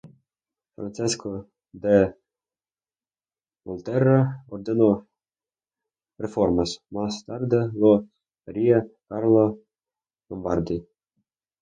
Francesco da Volterra ordenó reformas; más tarde lo haría Carlo Lombardi.